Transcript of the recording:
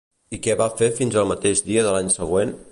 I què va fer fins al mateix dia de l'any següent?